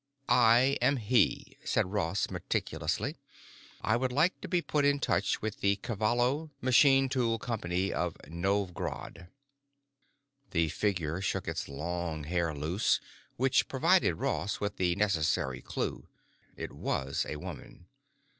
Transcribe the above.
"I am he," said Ross meticulously. "I would like to be put in touch with the Cavallo Machine Tool Company of Novj Grad." The figure shook its long hair loose, which provided Ross with the necessary clue: it was a woman.